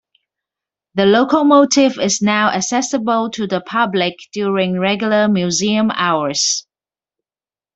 The locomotive is now accessible to the public during regular museum hours.